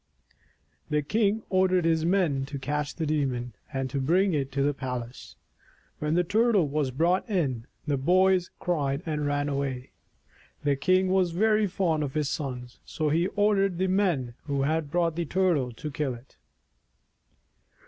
The king ordered his men to catch the demon, and to bring it to the palace. When the Turtle was brought in, the boys cried and ran away. The king was very fond of his sons, so he ordered the men who had brought the Turtle to kill it.